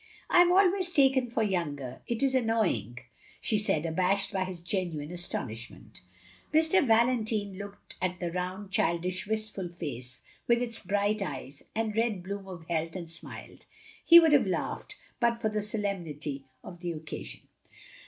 "I am always taken for younger. It is an noying," she said, abashed by his genuine astonishment. Mr. Valentine looked at the rotmd, childish, wistful face, with its bright eyes, and red bloom of health, and smiled. He would have laughed, but for the solemnity of the occasion.